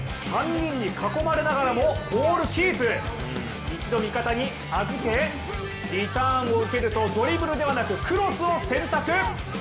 ３人に囲まれながらもボールキープ一度味方に預け、リターンを受けるとドリブルではなくクロスを選択。